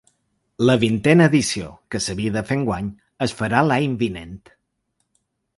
La vintena edició, que s’havia de fer enguany, es farà l’any vinent.